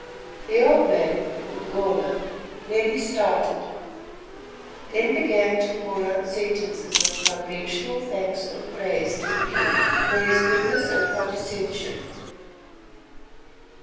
The old man, Umgona, merely started, then began to pour out sentences of conventional thanks and praise to the king for his goodness and condescension.